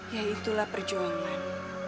ya itulah perjuangan